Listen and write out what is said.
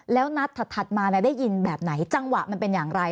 แล้วนัดถัดมาได้ยินแบบไหนจังหวะมันเป็นอย่างไร